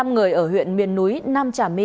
năm người ở huyện miền núi nam trà my